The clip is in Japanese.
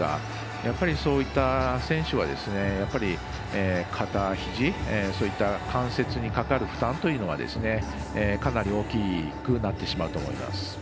やっぱり、そういった選手は肩、ひじそういった関節にかかる負担というのがかなり大きくなってしまうと思います。